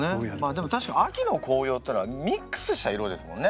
でも確かに秋の紅葉っていったらミックスした色ですもんね。